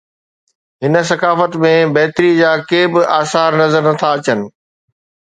هن ثقافت ۾ بهتري جا ڪي به آثار نظر نه ٿا اچن.